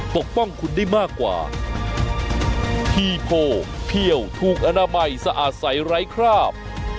ปกป้องคุณได้มากกว่าพีโพเพี่ยวถูกอนามัยสะอาดใสไร้คราบ